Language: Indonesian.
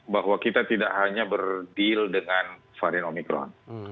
bahwa kita tidak hanya berdeal dengan varian omikron